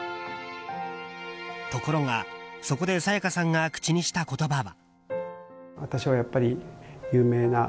ところが、そこで沙也加さんが口にした言葉は。